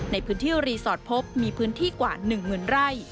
ในพื้นที่รีสอร์ทพบมีพื้นที่กว่า๑หมื่นไร่